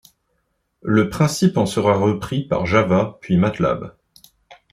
Le principe en sera repris par Java puis Matlab.